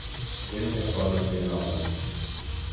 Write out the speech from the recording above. kim kafolat bera oladi?